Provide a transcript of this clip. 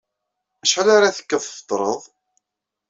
Acḥal ara tekkeḍ tfeṭṭreḍ?